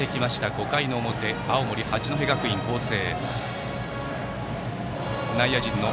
５回の表、青森・八戸学院光星。